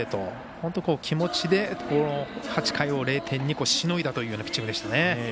本当、気持ちで８回を０点にしのいだというピッチングでしたね。